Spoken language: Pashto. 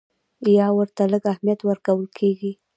یا ورته لږ اهمیت ورکول کېږي.